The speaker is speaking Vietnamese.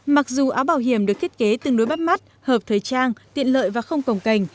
mặc dù áo bảo hiểm được thiết kế tương đối bắt mắt hợp thời trang tiện lợi và không cổng cành